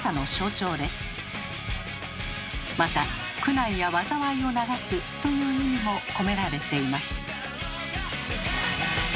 また「苦難や災いを流す」という意味も込められています。